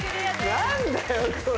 何だよこれ。